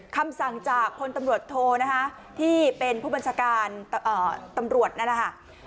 คำสั่งจากพลตำรวจโทนะคะที่เป็นผู้บัญชาการตำรวจนั่นแหละค่ะ